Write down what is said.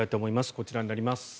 こちらになります。